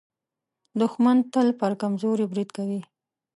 دښمن تل پر کمزوري برید کوي